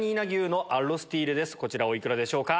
こちらお幾らでしょうか？